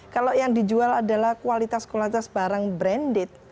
kalau yang dijual adalah kualitas kualitas barang branded